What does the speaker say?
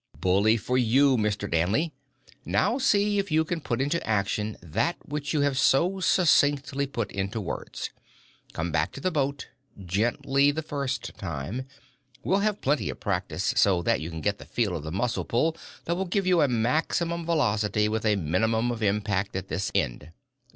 "Bully for you, Mr. Danley! Now see if you can put into action that which you have so succinctly put into words. Come back to the boat. Gently the first time. We'll have plenty of practice, so that you can get the feel of the muscle pull that will give you a maximum of velocity with a minimum of impact at this end.